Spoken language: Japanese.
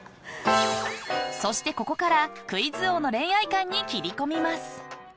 そして、ここからクイズ王の恋愛観に切り込みます。